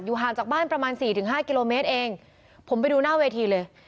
อยู่ห่างจากบ้านประมาณ๔๕กิโลเมตรเองผมไปดูหน้าเวทีเลย